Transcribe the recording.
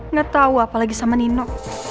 ngetau apalagi sama nino